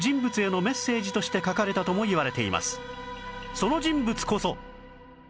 その人物こそ